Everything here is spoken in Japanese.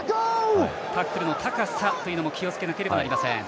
タックルの高さも気をつけなければなりません。